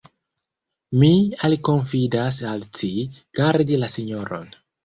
Mi alkonfidas al ci, gardi la sinjoron.